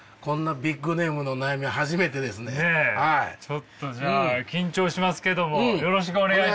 ちょっとじゃあ緊張しますけどもよろしくお願いします。